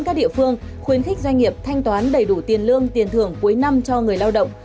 các địa phương khuyến khích doanh nghiệp thanh toán đầy đủ tiền lương tiền thưởng cuối năm cho người lao động